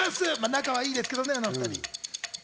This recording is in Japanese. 仲はいいですけどね、あの２人。